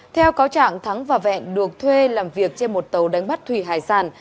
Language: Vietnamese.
theo cáo trạng thắng và vẹn được thuê làm việc trên một tàu đánh bắt thủy hải sản